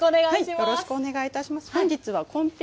よろしくお願いします。